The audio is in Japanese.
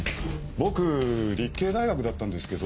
僕立慶大学だったんですけど。